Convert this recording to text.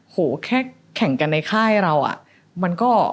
โหแค่แข่งกันในค่ายเราอะ